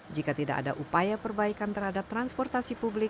jika tidak ada upaya perbaikan terhadap transportasi publik